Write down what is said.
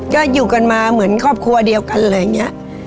ก็อยู่กันมาเหมือนครอบครัวเดียวกันอะไรอย่างนี้